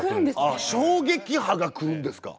あっ衝撃波が来るんですか。